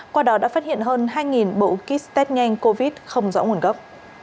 qua đó đã phát hiện hơn hai bộ kit test nhanh covid không rõ nguồn gốc